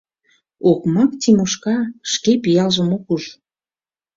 Окмак Тимошка шке пиалжым ок уж.